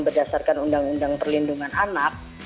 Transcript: berdasarkan undang undang perlindungan anak